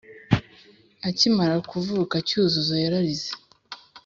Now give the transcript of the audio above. Ukimara kuvuka Cyuzuzo yararize